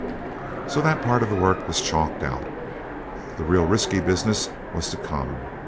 So that part of the work was chalked out. The real risky business was to come.